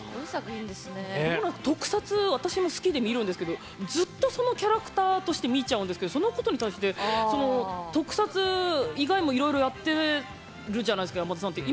特撮私も好きで見るんですけどずっとそのキャラクターとして見ちゃうんですけどそのことに対して特撮以外も、いろいろやってるじゃないですか山田さんって。